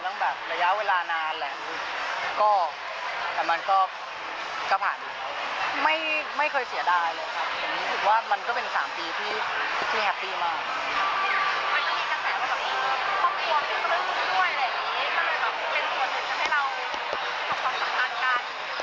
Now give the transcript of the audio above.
มันเลยแบบเป็นส่วนหนึ่งจะให้เราสัมพันธ์กัน